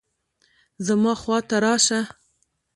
زما خوا ته راشه